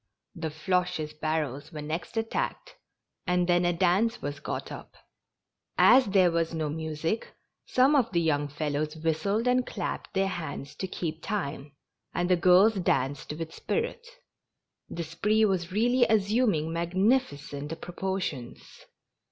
The Floches' barrels were next attacked, and then a dance was got up. As there was no music, some of the young fellows whistled and clapped their hands to keep time, and the girls danced with spirit. The spree was really assuming magnificent proportions.